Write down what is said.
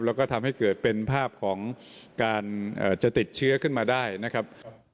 แล้วก็ทำให้เกิดเป็นภาพของการจะติดเชื้อขึ้นมาได้นะครับ